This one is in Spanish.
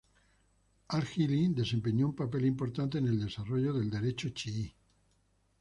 Al-Ḥilli desempeñó un papel importante en el desarrollo del derecho chií.